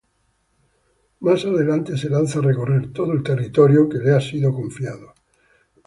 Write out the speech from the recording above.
Más adelante, se lanza a recorrer todo el territorio que le ha sido confiado.